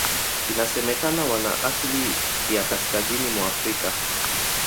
Inasemekana wana asili ya Kaskazini mwa Afrika.